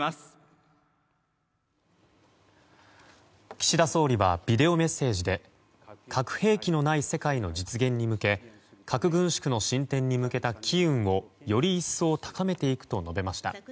岸田総理はビデオメッセージで核兵器のない世界の実現に向け核軍縮の進展に向けた機運をより一層高めていくと述べました。